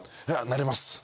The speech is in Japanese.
なります。